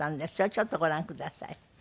ちょっとご覧ください。